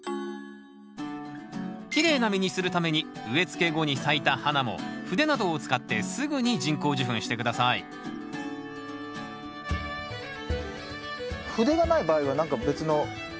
きれいな実にするために植えつけ後に咲いた花も筆などを使ってすぐに人工授粉して下さい筆がない場合は何か別の代わりはありますか？